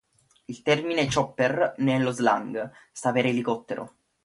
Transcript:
Il termine "chopper", nello slang, sta per elicottero.